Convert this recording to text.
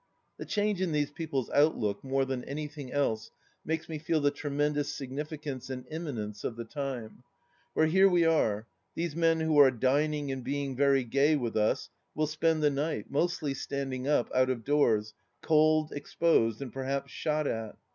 The change in these people's outlook, more than anythiug else, makes me feel the tremendous significance and imminence of the time. ... Fo r here we are ; these men who are dining and being vejy gay with us will spend the night, mostly standing up, out of doors, cold, exposed, and perhaps shot at.